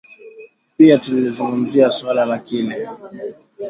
Pia tulizungumzia suala la kile